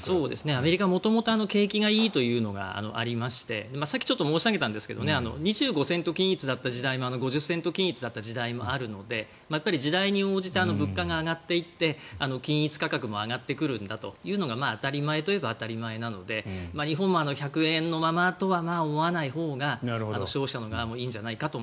アメリカは元々景気がいいというのがありましてさっき申し上げたんですが２５セント均一だった時代も５０セント均一だった時代もあるので時代に応じて物価が上がっていって均一価格が上がるのが当たり前と言えば当たり前なので日本も１００円のままとは思わないほうが消費者の側もいいんじゃないかと。